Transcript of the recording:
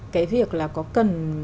cái việc là có cần